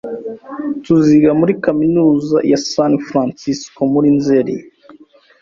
Tuziga muri kaminuza ya San Francisco muri Nzeri.